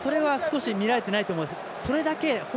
それは少し見られてないと思います。